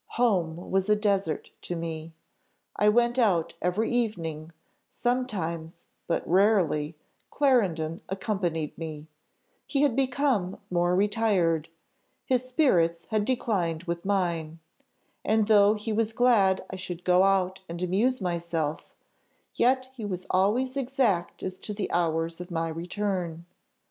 Home was a desert to me. I went out every evening; sometimes, but rarely, Clarendon accompanied me: he had become more retired; his spirits had declined with mine; and though he was glad I should go out and amuse myself, yet he was always exact as to the hours of my return.